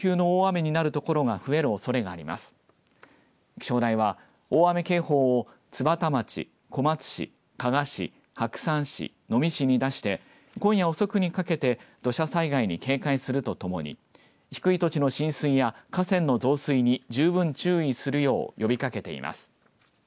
気象台は大雨警報を津幡町小松市、加賀市、白山市能美市に出して今夜遅くにかけて土砂災害に警戒するとともに低い土地の浸水や河川の増水に十分注意するよう呼びかけています。